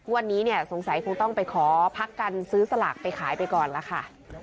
วันนี้เนี่ยสงสัยคงต้องไปขอพักกันซื้อสลากไปขายไปก่อนล่ะค่ะ